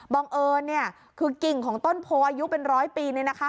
บังเอิญเนี่ยคือกิ่งของต้นโพอายุเป็นร้อยปีเนี่ยนะคะ